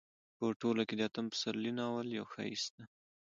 په ټوله کې اتم پسرلی ناول يو ښايسته